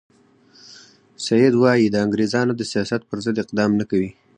سید وایي د انګریزانو د سیاست پر ضد اقدام نه کوي.